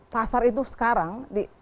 pasar itu sekarang